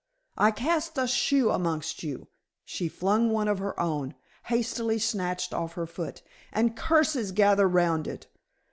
I cast a shoe amongst you," she flung one of her own, hastily snatched off her foot "and curses gather round it.